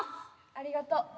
ありがとう。